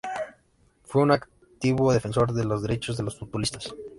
Fue un activo defensor de los derechos de los futbolistas.